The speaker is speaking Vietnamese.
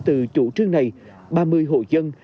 từ chủ trương này ba mươi hộ dân